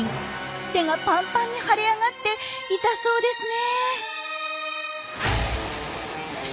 手がぱんぱんに腫れ上がって痛そうですね！